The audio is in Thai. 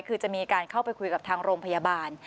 คือจะมีการเข้าไปคุยกับทางโรงพยาบาล